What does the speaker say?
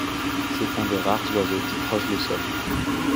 C'est un des rares oiseaux qui creuse le sol.